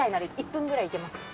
１分ぐらいいけますか？